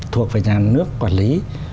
thuộc về nhà nước quản lý